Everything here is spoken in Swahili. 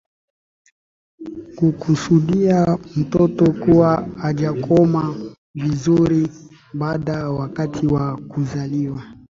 kukusudia mtoto kuwa hajakomaa vizuri hata wakati wa kuzaliwa